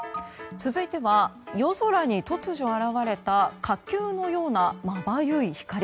続いては夜空に突如現れた火球のような、まばゆい光。